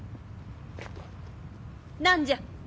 何じゃ？